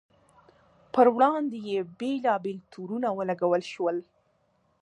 پر وړاندې یې بېلابېل تورونه ولګول شول.